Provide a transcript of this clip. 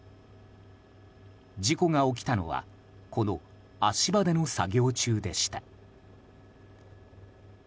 事故が起きたのはこの足場での作業中でした。